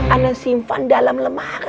ana simpan dalam lemari